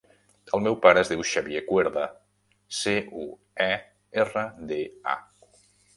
El meu pare es diu Xavier Cuerda: ce, u, e, erra, de, a.